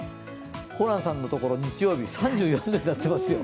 ホランさんのところ、日曜日３５度になってますよ。